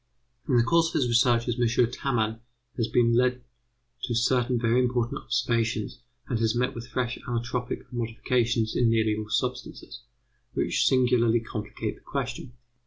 In the course of his researches M. Tamman has been led to certain very important observations, and has met with fresh allotropic modifications in nearly all substances, which singularly complicate the question.